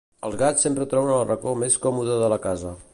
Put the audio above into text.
Els gats sempre troben el racó més còmode de la casa.